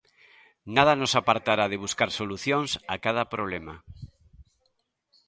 Nada nos apartará de buscar solucións a cada problema.